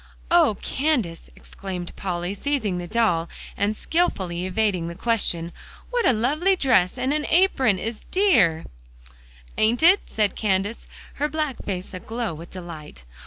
"Oh, Candace!" exclaimed Polly, seizing the doll, and skillfully evading the question, "what a lovely dress and the apron is a dear" "Ain't it?" said Candace, her black face aglow with delight.